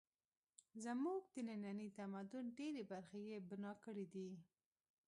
زموږ د ننني تمدن ډېرې برخې یې بنا کړې دي.